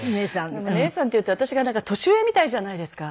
でもねえさんっていうと私が年上みたいじゃないですか。